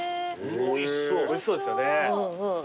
おいしそうですよね。